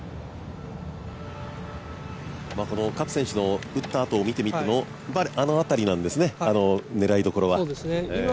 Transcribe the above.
この各選手の打ったあとを見てみてのあの辺りなんですね狙いどころは。